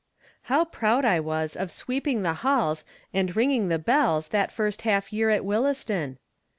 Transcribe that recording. How proud I was of sweeping the halls and ringing the bells that first half year at Williston